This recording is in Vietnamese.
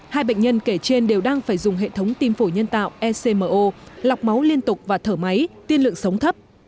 hai bệnh nhân kể trên đều đang phải dùng hệ thống tim phổi nhân tạo ecmo lọc máu liên tục và thở máy tiên lượng sống thấp